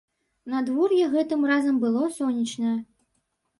Надвор'е гэтым разам было сонечнае.